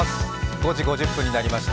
５時５０分になりました